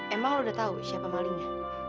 emang lo udah tau siapa malingnya